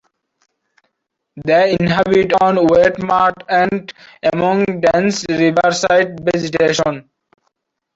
They inhabit on wet mud and among dense riverside vegetation.